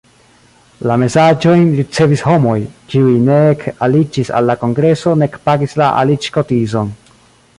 La mesaĝojn ricevis homoj, kiuj nek aliĝis al la kongreso nek pagis la aliĝkotizon.